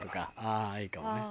ああいいかもね。